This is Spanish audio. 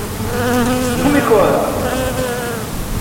¡ no me jodas!